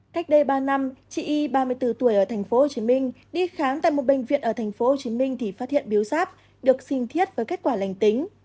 cách đây ba năm chị y ba mươi bốn tuổi ở tp hcm đi khám tại một bệnh viện ở tp hcm thì phát hiện biếu sáp được sinh thiết với kết quả lành tính